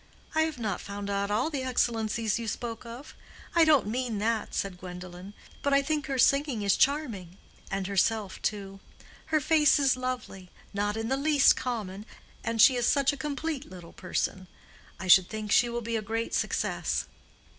"I have not found out all the excellencies you spoke of—I don't mean that," said Gwendolen; "but I think her singing is charming, and herself, too. Her face is lovely—not in the least common; and she is such a complete little person. I should think she will be a great success."